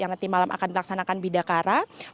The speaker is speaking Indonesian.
yang akan berbicara tentang perubahan dengan bidang pertama